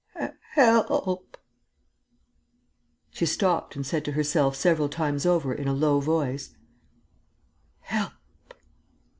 Help!..." She stopped and said to herself, several times over, in a low voice, "Help!...